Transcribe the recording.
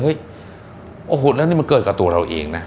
โอ้โหแล้วนี่มันเกิดกับตัวเราเองนะ